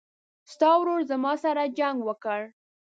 ستا ورور زما سره جنګ وکړ